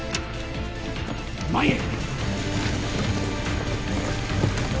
前へ！